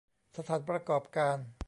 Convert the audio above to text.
สถานประกอบการ